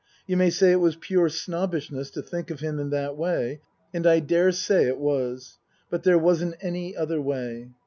You may say it was pure snobbishness to think of him in that way, and I daresay it was ; but there wasn't any other way.